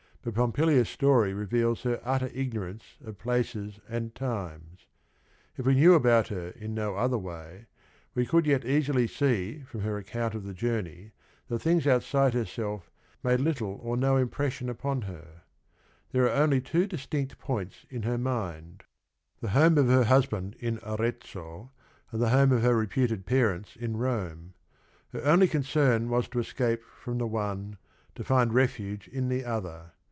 But Po mpilia's story reveals her utter ignorance of^places and times. If we knew about her in no other way, we could yet easily see from her account of the journey, that things outside herself made little or no impression upon her. There are only two distinct points in her mind, — 122 THE RING AND THE BOOK the home of her husband in Arezzo and the home of her reputed parents in Rome. Her only con cern was to escape from the one, to find refuge in the other.